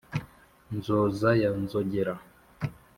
nzoza ya nzogera,